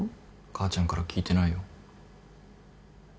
母ちゃんから聞いてないよ。